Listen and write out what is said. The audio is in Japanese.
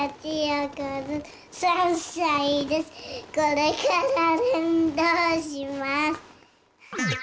これからねんどをします。